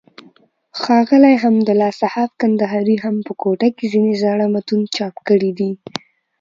ښاغلي حمدالله صحاف کندهاري هم په کوټه کښي ځينې زاړه متون چاپ کړي دي.